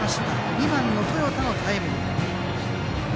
２番の豊田のタイムリー。